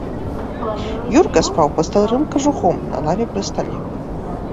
Юрка спаў пад старым кажухом на лаве пры стале.